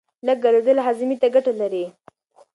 لږ ګرځېدل هاضمې ته ګټه لري.